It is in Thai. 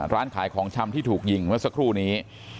ร้านขายของชำที่ถูกยิงเมื่อสักครู่นี้